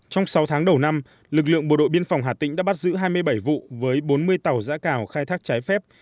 trong sáu tháng đầu năm lực lượng bộ đội biên phòng hà tĩnh đã bắt giữ hai mươi bảy vụ với bốn mươi tàu giã cào khai thác trái phép